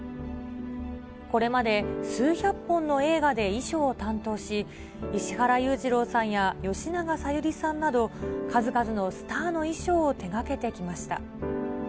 これまで数百本の映画で衣装を担当し、石原裕次郎さんや吉永小百合さんなど、数々のスターの衣装を手がけてきました。